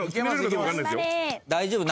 大丈夫。